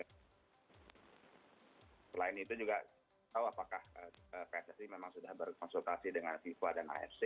selain itu juga tahu apakah pssi memang sudah berkonsultasi dengan fifa dan afc